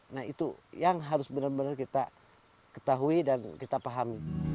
nah itu yang harus benar benar kita ketahui dan kita pahami